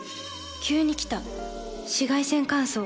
急に来た紫外線乾燥。